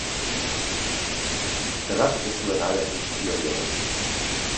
Zergatik ez zuen ahalegin txiki hori egin?